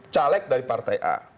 caleg dari partai a